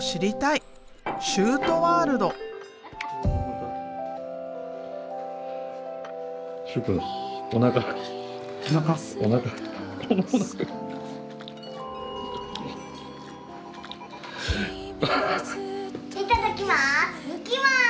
いただきます。